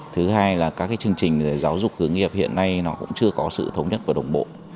thứ hai là các chương trình giáo dục hướng nghiệp hiện nay nó cũng chưa có sự thống nhất và đồng bộ